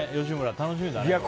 吉村、楽しみだね。